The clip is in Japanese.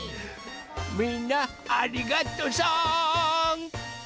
みんなありがとさん！